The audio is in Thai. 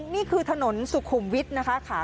นี่คือถนนสุขุมวิทย์นะคะ